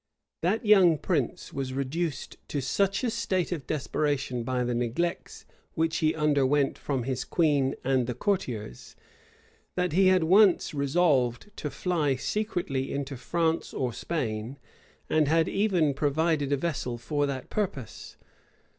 [*] That young prince was reduced to such a state of desperation by the neglects which he underwent from his queen and the courtiers, that he had once resolved to fly secretly into France or Spain, and had even provided a vessel for that purpose.